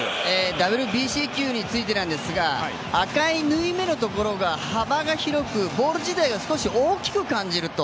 ＷＢＣ球についてなんですが赤い縫い目のところがボール自体が大きく感じると。